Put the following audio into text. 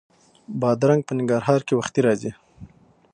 بادرنګ په ننګرهار کې وختي راځي